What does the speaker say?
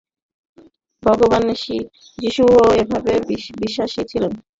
ভগবান যীশুও ইহাতে বিশ্বাসী ছিলেন।